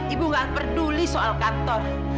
ibu gak peduli soal kantor